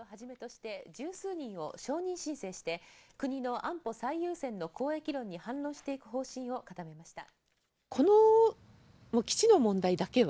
十数人を証人申請して国の安保最優先の交易論に反論していく方針を固めました。